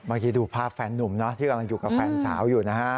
ดูภาพแฟนนุ่มนะที่กำลังอยู่กับแฟนสาวอยู่นะฮะ